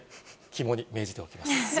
肝に銘じておきます。